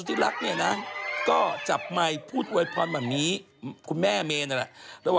กระเทยเก่งกว่าเออแสดงความเป็นเจ้าข้าว